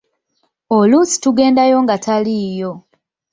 Oluusi tugendayo nga taliiyo.